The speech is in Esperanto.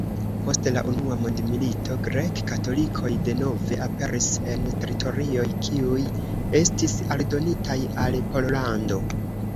Post la unua mondmilito grek-katolikoj denove aperis en teritorioj kiuj estis aldonitaj al Pollando.